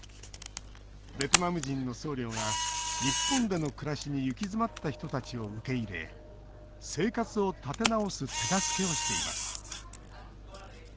ベトナム人の僧侶が日本での暮らしに行き詰まった人たちを受け入れ生活を立て直す手助けをしています。